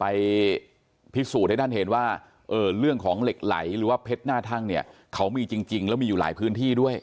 ไปพิสูจน์ให้ท่านเห็นว่าเรื่องของเหล็กไหลหรือว่าเพชรหน้าทั่งเนี่ยเขามีจริงแล้วมีอยู่หลายพื้นที่ด้วย